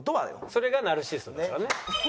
それがナルシストですからね。